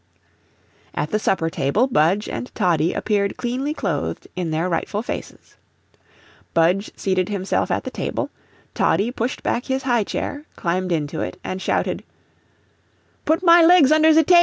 At the supper table Budge and Toddie appeared cleanly clothed in their rightful faces. Budge seated himself at the table; Toddie pushed back his high chair, climbed into it, and shouted: "Put my legs under ze tabo."